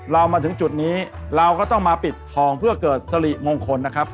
เรามาถึงจุดนี้เราก็ต้องมาปิดทองเพื่อเกิดสริมงคลนะครับ